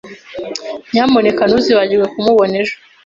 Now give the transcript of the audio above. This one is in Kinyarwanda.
Nyamuneka ntuzibagirwe kumubona ejo.